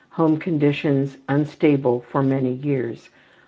Home conditions: unstable for many years.